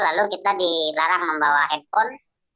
lalu kita dilarang membawa handphone